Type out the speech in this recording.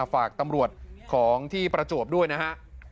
ฝากตำรวจของที่ประจวบด้วยนะฮะ